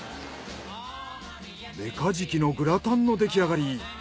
メカジキのグラタンのできあがり。